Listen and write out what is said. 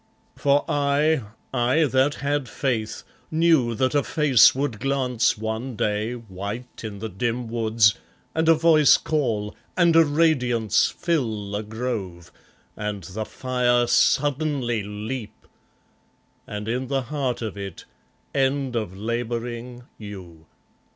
For I, I that had faith, knew that a face would glance One day, white in the dim woods, and a voice call, and a radiance Fill the grove, and the fire suddenly leap ... and, in the heart of it, End of labouring, you!